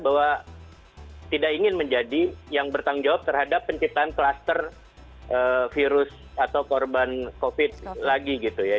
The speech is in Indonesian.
bahwa tidak ingin menjadi yang bertanggung jawab terhadap penciptaan kluster virus atau korban covid lagi gitu ya